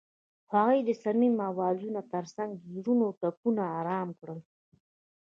هغې د صمیمي اوازونو ترڅنګ د زړونو ټپونه آرام کړل.